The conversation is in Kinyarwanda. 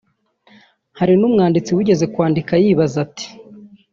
Hari n’umwanditsi wigeze kwandika yibaza ati